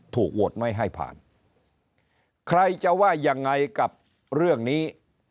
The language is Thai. ถูกโหวตไม่ให้ผ่านใครจะว่ายังไงกับเรื่องนี้